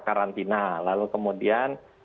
karantina lalu kemudian